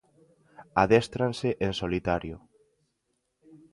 Adéstranse en solitario.